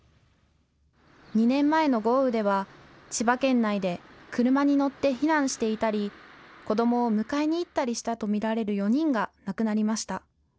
２年前の豪雨では千葉県内で車に乗って避難していたり子どもを迎えに行ったりしたと見られる４人が亡くなりました。